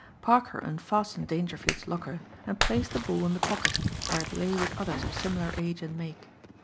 Parker unfastened Dangerfield's locker and placed the ball in the pocket, where it lay with others of similar age and make.